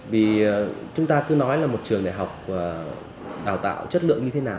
vì chúng ta cứ nói là một trường đại học đào tạo chất lượng như thế nào